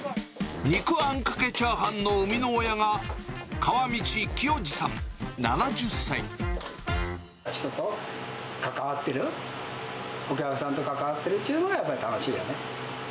肉あんかけチャーハンの生みの親が、人と関わってる、お客さんと関わってるっていうのがやっぱり楽しいよね。